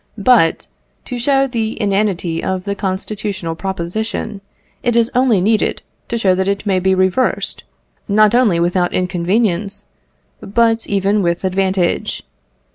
But to show the inanity of the constitutional proposition, it is only needed to show that it may be reversed, not only without inconvenience, but even with advantage.